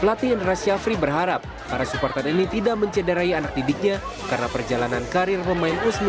pelatihan rasyafri berharap para supporter ini tidak mencederai anak didiknya karena perjalanan karir pemain u sembilan belas malam ini